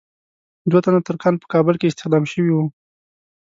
دوه تنه ترکان په کابل کې استخدام شوي وو.